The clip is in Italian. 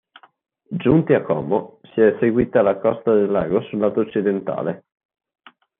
Giunti a Como si è seguita la costa del Lago sul lato occidentale.